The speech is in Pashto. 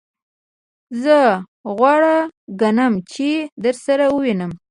زه غوره ګڼم چی درسره ووینم.